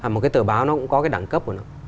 một cái tờ báo nó cũng có cái đẳng cấp của nó